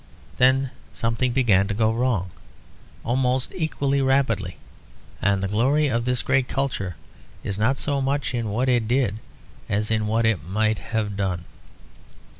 Then something began to go wrong, almost equally rapidly, and the glory of this great culture is not so much in what it did as in what it might have done.